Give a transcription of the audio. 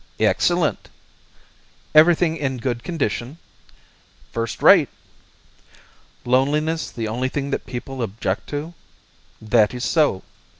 "Excellent." "Everything in good condition?" "First rate." "Loneliness the only thing people object to?" "That is so."